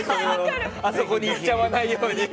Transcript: あそこにいちゃわないように。